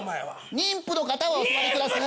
妊婦の方はお座りください。